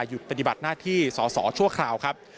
หยุดปฏิบัติหน้าที่สอสอชั่วคราวครับ